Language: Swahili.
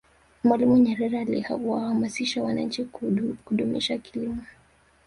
mwalimu nyerere aliwahamasisha wananchi kudumisha kilimo